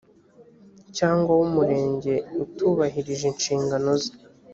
cyangwa w umurenge utubahirije inshingano ze